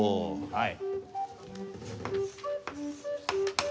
はい。